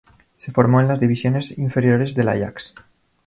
Se formó en las divisiones inferiores del Ajax.